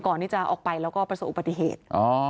ก่อนที่จะออกไปแล้วก็ประสบอุบัติเหตุ